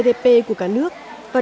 và đặc biệt có vai trò quan trọng